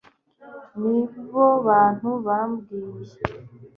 nibo bantu wambwiye